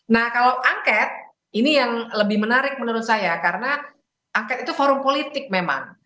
nah kalau angket ini yang lebih menarik menurut saya karena angket itu forum politik memang